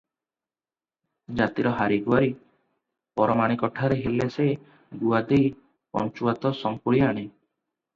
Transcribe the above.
ଜାତିର ହାରିଗୁହାରି ପରମାଣିକ ଠାରେ ହେଲେ ସେ ଗୁଆ ଦେଇ ପଞ୍ଚୁଆତ ସଙ୍କୁଳି ଆଣେ ।